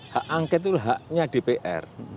hak angket itu haknya dpr